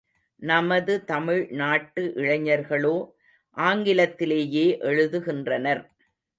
நமது தமிழ் நாட்டு இளைஞர்களோ ஆங்கிலத்திலேயே எழுதுகின்றனர்.